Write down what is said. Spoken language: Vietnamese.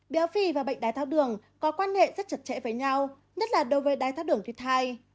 béo phì và bệnh đáy thác đường có quan hệ rất chật chẽ với nhau nhất là đối với đáy thác đường tuyết thai